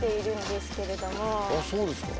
そうですか？